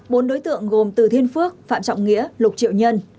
bốn đối tượng gồm từ thiên phước phạm trọng nghĩa lục triệu nhân